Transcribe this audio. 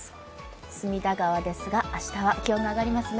隅田川ですが明日は気温が上がりますね。